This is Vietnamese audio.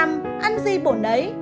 năm ăn gì bổ nấy